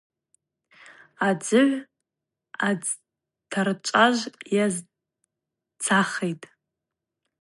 Адзыгӏв адзцартажв йазцахитӏ.